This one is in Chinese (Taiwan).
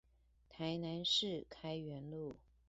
台南市開元路